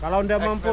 kalau anda mampu turun